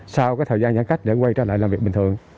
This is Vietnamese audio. sau thời gian giãn cách để quay trở lại làm việc bình thường